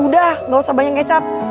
udah gak usah banyak kecap